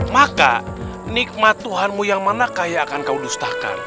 maka nikmat tuhanmu yang mana kaya akan kau dustakan